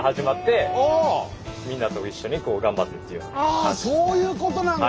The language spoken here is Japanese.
あそういうことなんだ！